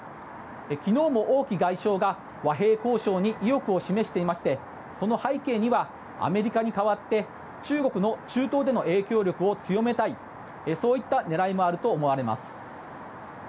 昨日も王毅外相が和平交渉に意欲を示していましてその背景にはアメリカに代わって中国の中東での影響力を強めたいそういった狙いもあると思われます。